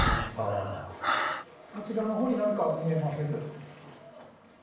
あちらの方に何か見えませんですか？